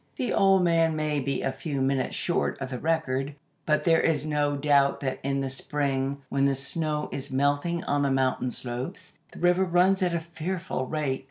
The old man may be a few minutes short of the record, but there is no doubt that in the spring, when the snow is melting on the mountain slopes, the river runs at a fearful rate.